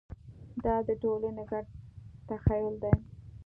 دا د ټولنې ګډ تخیل دی.